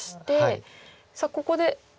さあここで黒は。